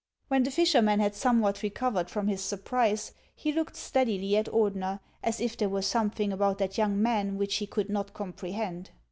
When the fisherman had somewhat recovered from his surprise, he looked steadily at Ordener, as if there were something about that young man which he could not comprehend.